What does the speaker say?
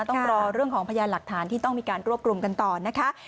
ต้องรอเรื่องของพยานหลักฐานที่ต้องมีการรวบรวมกันต่อนะคะ